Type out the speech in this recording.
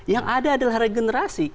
yang ada adalah regenerasi